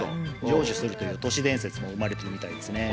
成就するという都市伝説も生まれてるみたいです。